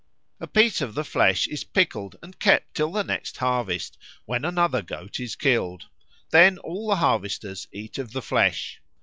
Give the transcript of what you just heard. A piece of the flesh is pickled and kept till the next harvest, when another goat is killed. Then all the harvesters eat of the flesh.